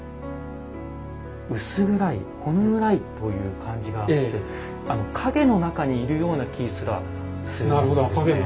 薄暗いほの暗いという感じがあって陰の中にいるような気すらするようですね。